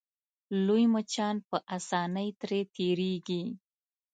لوی مچان په اسانۍ ترې تېرېږي.